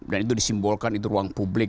dan itu disimbolkan itu ruang publik